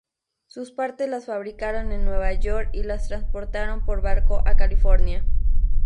Sus partes las fabricaron en Nueva York y las transportaron por barco a California.